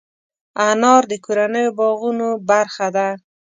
انار د کورنیو باغونو برخه ده.